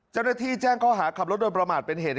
เจ้าหน้าที่แจ้งข้อหาขับรถโดยประมาทเป็นเหตุ